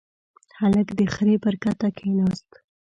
هلک د خرې پر کته کېناست.